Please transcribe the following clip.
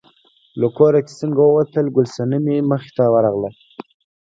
له کوره چې څنګه ووتل، ګل صنمې مخې ته ورغله.